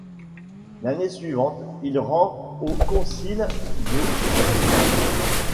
L'année suivante, il se rend au concile de Constance.